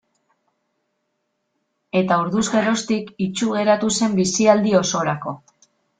Eta orduz geroztik itsu geratu zen bizialdi osorako.